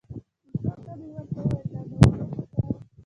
په ټوکه مې ورته وویل دا د اوبو بوتل.